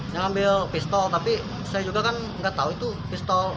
dia ambil pistol tapi saya juga kan enggak tahu itu pistol